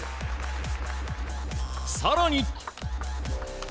更に。